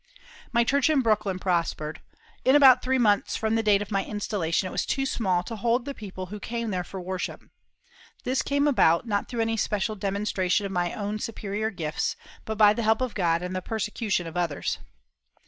My church in Brooklyn prospered. In about three months from the date of my installation it was too small to hold the people who came there to worship. This came about, not through any special demonstration of my own superior gifts, but by the help of God and the persecution of others.